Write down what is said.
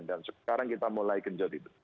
dan sekarang kita mulai genjot itu